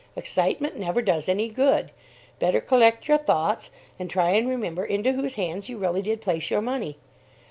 "Excitement never does any good. Better collect your thoughts, and try and remember into whose hands you really did place your money.